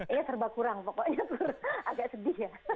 iya serba kurang pokoknya agak sedih ya